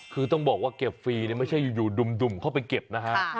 คือต้องบอกว่าเก็บฟรีไม่ใช่อยู่ดุ่มเข้าไปเก็บนะฮะ